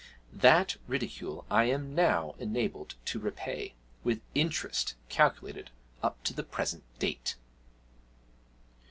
That ridicule I am now enabled to repay, with interest calculated up to the present date.'